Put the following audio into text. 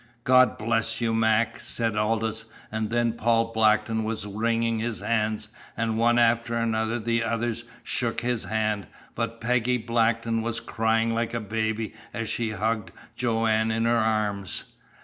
"God bless you, Mac!" said Aldous, and then Paul Blackton was wringing his hands; and one after another the others shook his hand, but Peggy Blackton was crying like a baby as she hugged Joanne in her arms.